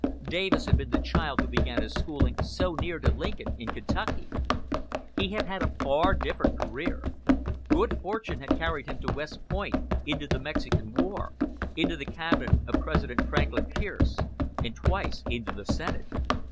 Davis had been the child who began his schooling so near to Lincoln in Kentucky. He had had a far different career. Good fortune had carried him to West Point, into the Mexican War, into the cabinet of President Franklin Pierce, and twice into the Senate.